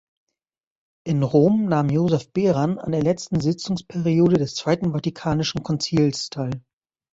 In Rom nahm Josef Beran an der letzten Sitzungsperiode des Zweiten Vatikanischen Konzils teil.